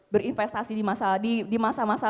berinvestasi di masa masa